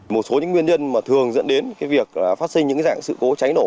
một số những nguyên nhân mà thường dẫn đến việc phát sinh những dạng sự cố cháy nổ